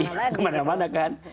iya kemana mana kan